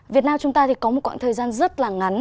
việt nam chúng ta có một khoảng thời gian rất là ngắn